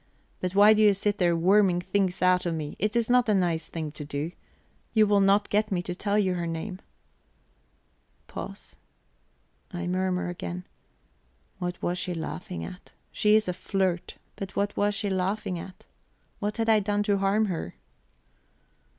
But why do you sit there worming things out of me? It is not a nice thing to do. You will not get me to tell you her name." Pause. I murmur again: "What was she laughing at? She is a flirt; but what was she laughing at? What had I done to harm her?"